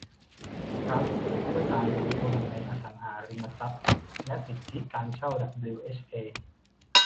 ทรัสต์เพื่อการลงทุนในอสังหาริมทรัพย์และสิทธิการเช่าดับบลิวเอชเอ